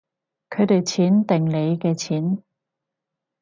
佢哋錢定你嘅錢